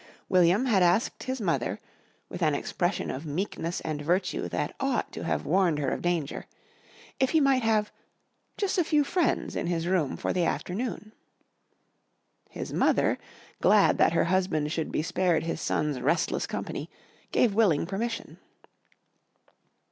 William had asked his mother, with an expression of meekness and virtue that ought to have warned her of danger, if he might have "jus' a few friends" in his room for the afternoon. His mother, glad that her husband should be spared his son's restless company, gave willing permission.